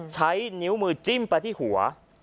ใช้นิ้วมือจิ้มไปที่หัว